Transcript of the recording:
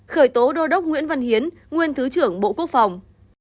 khởi tố đô đốc nguyễn văn hiến nguyên thứ trưởng bộ quốc phòng